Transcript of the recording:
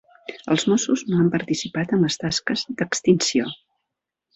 Els Mossos no han participat en les tasques d'extinció.